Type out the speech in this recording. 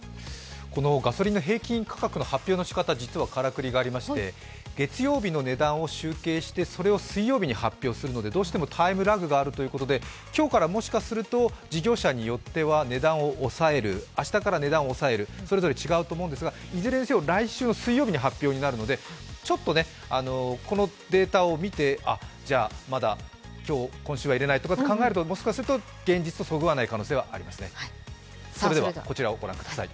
このガソリンの平均価格の発表のしかた実はからくりがありまして月曜日の値段を集計してそれを水曜日に発表するのでどうしてもタイムラグがあるということで今日からもしかすると事業者によっては値段を抑える、明日から値段を抑える、それぞれ違うと思うんですがいずれにせよ、来週の水曜日に発表になるので、ちょっとこのデータを見てじゃあ今週は入れないって考えるともしかすると現実とそぐわない可能性はありますね。